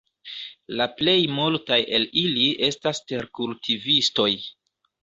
La plej multaj el ili estas terkultivistoj.